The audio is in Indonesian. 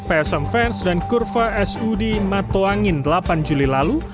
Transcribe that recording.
psm fans dan kurva sud matoangin delapan juli lalu